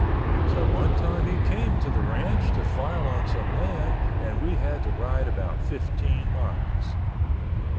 So one time he came to the ranch to file on some land and we had to ride about fifteen miles.